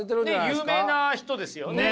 有名な人ですよね。